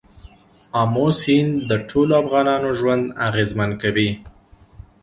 آمو سیند د ټولو افغانانو ژوند اغېزمن کوي.